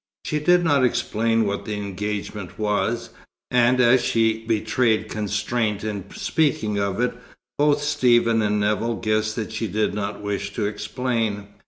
She did not explain what the engagement was, and as she betrayed constraint in speaking of it, both Stephen and Nevill guessed that she did not wish to explain.